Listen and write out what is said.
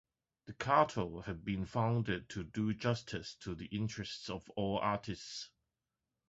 The Cartel had been founded to do justice to the interests of all artists.